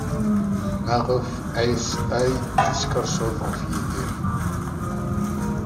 Maɣef ay teskerksed ɣef Yidir?